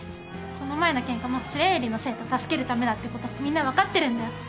この前のケンカも白百合の生徒助けるためだってことみんな分かってるんだよ。